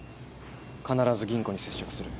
必ず吟子に接触する。